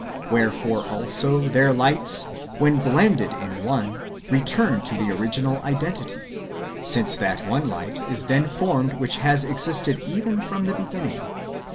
Wherefore also their lights, when blended in one, return to the original identity, since that one light is then formed which has existed even from the beginning.